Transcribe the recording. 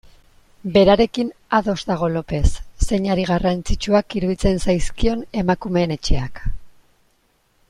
Berarekin ados dago Lopez, zeinari garrantzitsuak iruditzen zaizkion Emakumeen Etxeak.